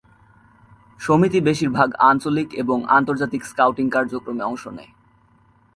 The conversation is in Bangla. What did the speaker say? সমিতি বেশিরভাগ আঞ্চলিক এবং আন্তর্জাতিক স্কাউটিং কার্যক্রমে অংশ নেয়।